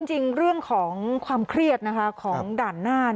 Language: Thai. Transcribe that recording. จริงเรื่องของความเครียดของด่านหน้า